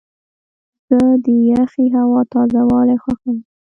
زه د یخې هوا تازه والی خوښوم.